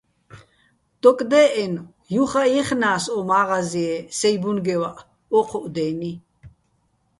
დოკდე́ჸენო̆ ჲუხაჸ ჲეხნა́ს ო მა́ღაზიე სეჲ ბუნგევაჸ ო́ჴუჸ დე́ნი.